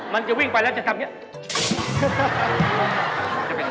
มันจะวิ่งไปแล้วจะทำอย่างนี้